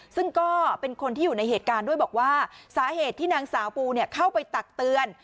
ซึ่งก็เป็นคนที่อยู่ในเหตุการณ์ด้วยบอกว่าสาเหตุที่นางสาวปูเข้าไปตักเตือน